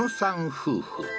夫婦